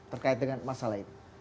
terkait dengan masalah ini